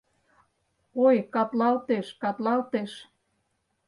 Ой, катлалтеш, катлалтеш